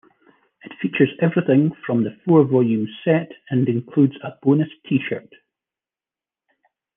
It features everything from the four-volume set and includes a bonus T-shirt.